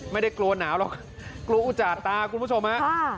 ไม่ได้กลัวหนาวหรอกกลัวอุจจาตาคุณผู้ชมฮะ